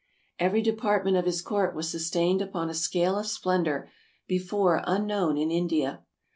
Every department of his court was sustained upon a scale of splendor before unknown in India.